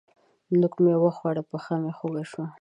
نوک مې وخوړ؛ پښه مې خوږ شوه.